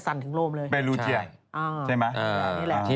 สนับสนุนโดยดีที่สุดคือการให้ไม่สิ้นสุด